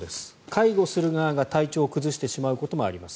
介護する側が体調を崩してしまうこともあります